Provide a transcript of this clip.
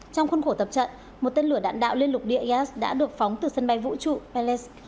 trong khuôn khổ tập trận một tên lửa đạn đạo liên lục địa is đã được phóng từ sân bay vũ trụ palley